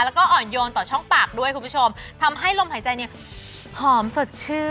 แล้วก็อ่อนโยนต่อช่องปากด้วยคุณผู้ชมทำให้ลมหายใจเนี่ยหอมสดชื่น